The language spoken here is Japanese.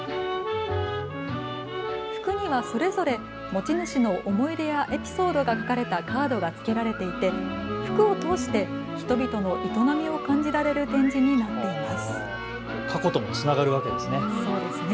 服にはそれぞれ持ち主の思い出やエピソードが書かれたカードがつけられていて服を通して人々の営みを感じられる展示になっています。